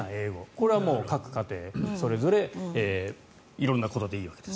これは各家庭それぞれ色んなことでいいわけです。